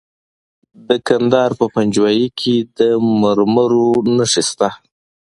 د کندهار په پنجوايي کې د مرمرو نښې شته.